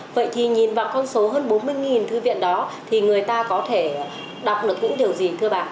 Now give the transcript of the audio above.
số hơn bốn mươi thư viện đó thì người ta có thể đọc được cũng điều gì thưa bà